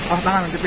oh tangan di tpp